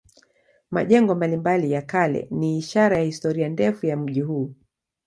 Majengo mbalimbali ya kale ni ishara ya historia ndefu ya mji huu.